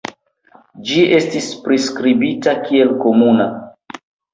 Ĝi estis priskribita kiel komuna.